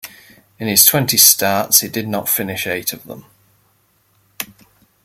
In his twenty starts, he did not finish eight of them.